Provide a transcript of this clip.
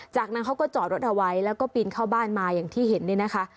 จากนั้นเขาก็จอดรถเอาไว้แล้วก็ปีนเข้าบ้านมาอย่างที่เห็นเนี่ยนะคะ